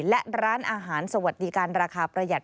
และร้านอาหารสวัสดิการราคาประหยัด